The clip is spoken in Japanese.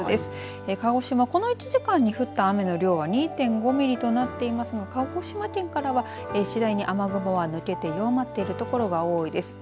この１時間に降った雨の量は２．５ミリとなっていますが鹿児島県からは次第に雨雲は抜けて弱まっているところが多いです。